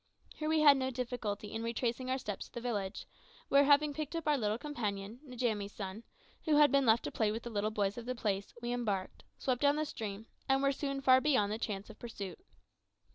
Here we had no difficulty in retracing our steps to the village, where, having picked up our little companion, Njamie's son, who had been left to play with the little boys of the place, we embarked, swept down the stream, and were soon far beyond the chance of pursuit.